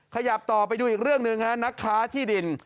ขยับต่อไปดูอีกเรื่องหนึ่งฮะนักค้าที่ดิน